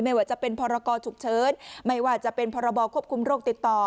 ว่าจะเป็นพรกรฉุกเฉินไม่ว่าจะเป็นพรบควบคุมโรคติดต่อ